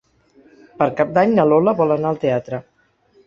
Per Cap d'Any na Lola vol anar al teatre.